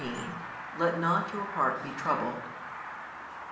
Let not your heart be troubled.